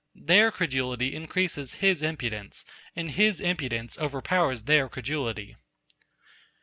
Their credulity increases his impudence: and his impudence overpowers their credulity.